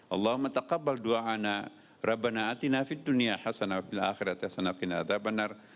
allahumma taqabbal dua'ana rabbana atina fid dunia hasanaw fil akhira tasanaw kina hatabannar